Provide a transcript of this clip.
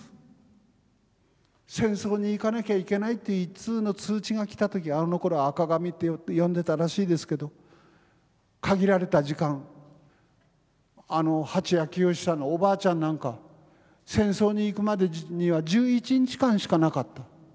戦争に行かなきゃいけないって一通の通知が来た時あのころは赤紙って呼んでたらしいですけど限られた時間あの蜂谷清さんのお婆ちゃんなんか戦争に行くまでには１１日間しかなかった。